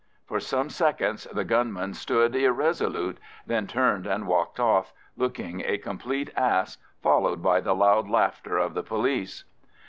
For some seconds the gunman stood irresolute, then turned and walked off, looking a complete ass, followed by the loud laughter of the police.